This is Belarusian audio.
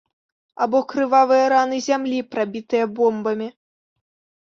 Або крывавыя раны зямлі, прабітыя бомбамі.